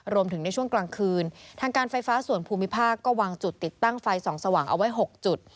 ในช่วงกลางคืนทางการไฟฟ้าส่วนภูมิภาคก็วางจุดติดตั้งไฟส่องสว่างเอาไว้๖จุด